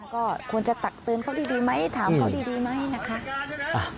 ก็ควรจะตักเตือนเขาดีไหมถามเขาดีไหมนะคะ